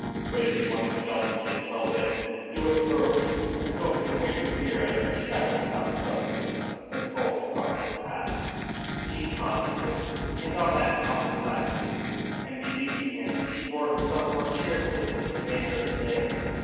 But if you want to shelter me until then, do it thoroughly, and don't give way to fear at every shadow without substance that falls across your path." She promised it, and on that promise left him; and, believing him, she bore herself more cheerfully for the remainder of the day.